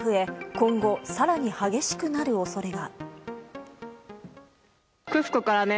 今後、更に激しくなる恐れが。